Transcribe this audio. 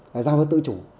là giao hứa tự chủ